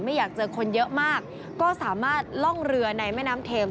ไม่อยากเจอคนเยอะมากก็สามารถล่องเรือในแม่น้ำเทม